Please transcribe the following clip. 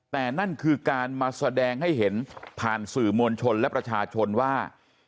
แต่นั่นคือการมาแสดงให้เห็นผ่านสื่อมวลชนและประชาชนว่า